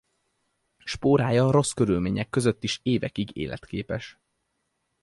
Spórája rossz körülmények között is évekig életképes.